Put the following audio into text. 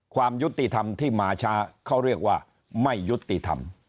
ความยุติธรรมที่มาช้าเขาเรียกว่าไม่ยุติธรรม